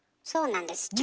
そうなんです。